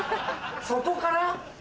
そこから⁉